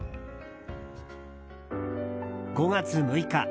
５月６日